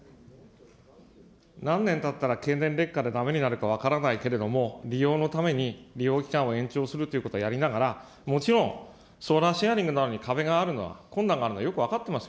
何年たったら経年劣化でだめになるか分からないけれども、利用のために利用期間を延長するということをやりながら、もちろん、ソーラーシェアリングなどに壁があるのは、困難があるのはよく分かっていますよ。